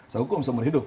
sehukum seumur hidup